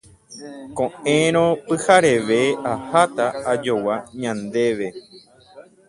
Ko'ẽrõ pyhareve aháta ajogua ñandéve.